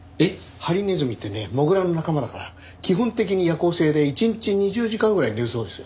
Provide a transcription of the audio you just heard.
ハリネズミってねモグラの仲間だから基本的に夜行性で一日２０時間ぐらい寝るそうですよ。